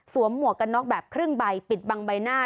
หมวกกันน็อกแบบครึ่งใบปิดบังใบหน้า